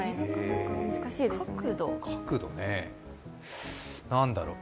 角度ね、何だろう。